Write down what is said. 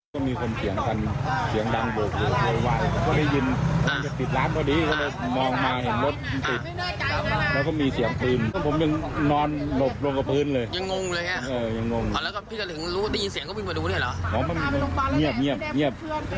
ได้ยินเสียงฟืนนัดหนึ่งร้านก๋วยเพราะว่ากูลมาเต็มเลย